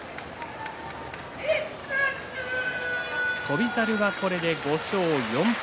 翔猿が、これで５勝４敗。